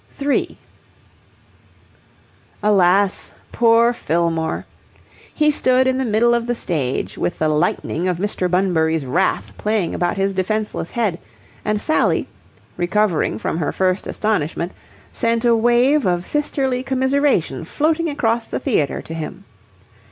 3 Alas, poor Fillmore! He stood in the middle of the stage with the lightning of Mr. Bunbury's wrath playing about his defenceless head, and Sally, recovering from her first astonishment, sent a wave of sisterly commiseration floating across the theatre to him.